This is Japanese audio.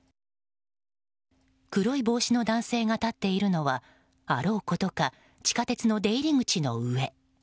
黒い帽子の男性が立っているのはあろうことか地下鉄の出入り口の上。